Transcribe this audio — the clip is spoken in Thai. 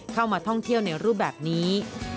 เข้ามาท่องเที่ยวในรูปแบบนี้